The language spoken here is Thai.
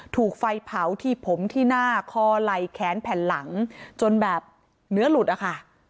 ถูกไฟเผาที่ผมที่หน้าคอไหล่แขนแผ่นหลังจนแบบเนื้อหลุดอะค่ะ